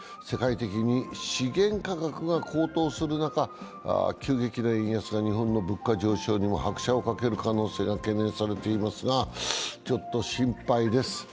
世界的に資源価格が高騰する中、急激な円安が日本の物価上昇にも拍車をかける可能性も懸念されていますが、ちょっと心配です。